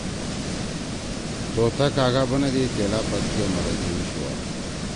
طوطا کاگا بنَدی تیلا پدکے مرَضی ہُوشُوا۔